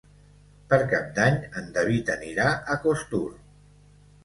Per Cap d'Any en David anirà a Costur.